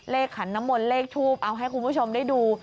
ขันน้ำมนต์เลขทูปเอาให้คุณผู้ชมได้ดู